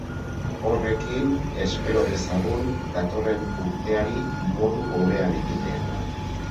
Horrekin, espero dezagun datorren urteari modu hobean ekitea.